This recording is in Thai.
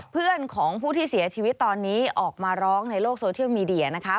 เพื่อนของผู้ที่เสียชีวิตตอนนี้ออกมาร้องในโลกโซเชียลมีเดียนะคะ